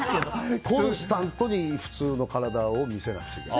コンスタントに普通の体を見せなくちゃいけない。